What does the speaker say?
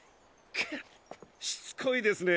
くっしつこいですね。